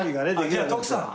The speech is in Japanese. あっじゃあ徳さん